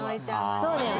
そうだよね。